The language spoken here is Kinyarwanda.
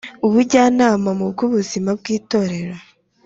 Umujyanama mu by ubuzima bw Itorero